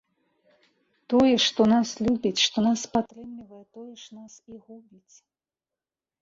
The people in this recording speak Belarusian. Тое, што нас любіць, што нас падтрымлівае, тое ж нас і губіць.